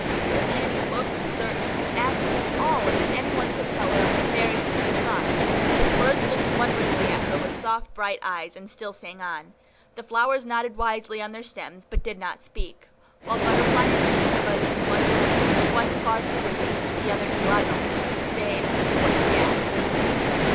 Little Annie looked, searched, and asked them all if any one could tell her of the Fairy whom she sought; but the birds looked wonderingly at her with their soft, bright eyes, and still sang on; the flowers nodded wisely on their stems, but did not speak, while butterfly and bee buzzed and fluttered away, one far too busy, the other too idle, to stay and tell her what she asked.